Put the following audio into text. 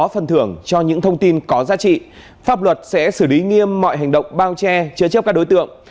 pháp luật sẽ xử lý nghiêm mọi hành động bao che chứa chấp các đối tượng